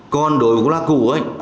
còn đối với quốc lộ cũ